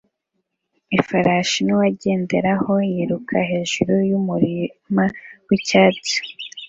Ifarashi nuwagenderaho yiruka hejuru yumurima wicyatsi